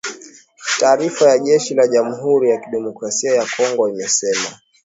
Taarifa ya jeshi la Jamhuri ya Kidemokrasia ya Kongo imesema